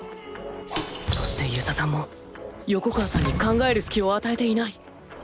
そして遊佐さんも横川さんに考えるスキを与えていない